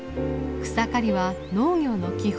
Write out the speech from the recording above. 草刈りは農業の基本。